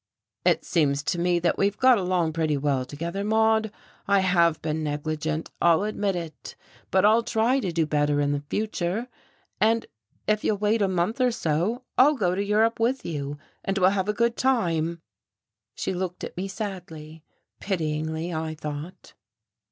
"It seems to me that we have got along pretty well together, Maude. I have been negligent I'll admit it. But I'll try to do better in the future. And if you'll wait a month or so, I'll go to Europe with you, and we'll have a good time." She looked at me sadly, pityingly, I thought.